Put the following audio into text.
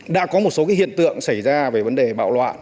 đã có một số hiện tượng xảy ra về vấn đề bạo loạn